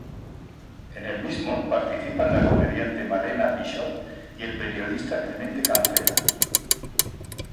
En el mismo, participan la comediante Malena Pichot y el periodista Clemente Cancela.